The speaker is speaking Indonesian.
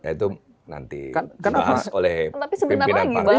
itu nanti dibahas oleh pimpinan panglima